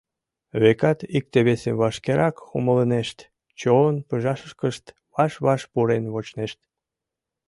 Векат, икте-весым вашкерак умылынешт, чон пыжашышкышт ваш-ваш пурен вочнешт.